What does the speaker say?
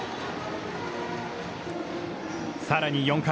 さらに４回。